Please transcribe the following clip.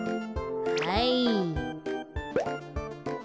はい。